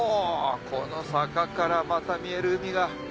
この坂からまた見える海が。